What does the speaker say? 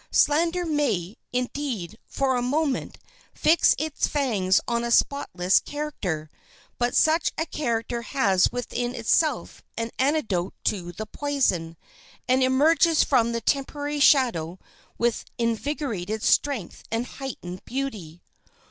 Slander may, indeed, for a moment, fix its fangs on a spotless character, but such a character has within itself an antidote to the poison, and emerges from the temporary shadow with invigorated strength and heightened beauty.